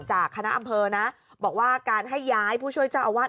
จากคณะอำเภอนะบอกว่าการให้ย้ายผู้ช่วยเจ้าอาวาส